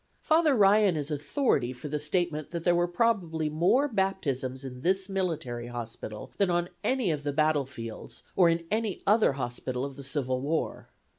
Father Ryan is authority for the statement that there were probably more baptisms in this military hospital than on any of the battlefields or in any other hospital of the Civil War.